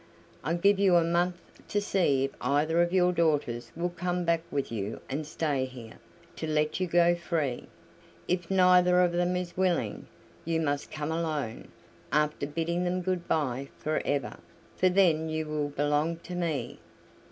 I give you a month to see if either of your daughters will come back with you and stay here, to let you go free. If neither of them is willing, you must come alone, after bidding them good by for ever, for then you will belong to me.